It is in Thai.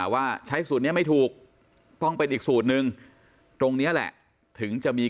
ว่าใช้สูตรนี้ไม่ถูกต้องเป็นอีกสูตรนึงตรงนี้แหละถึงจะมี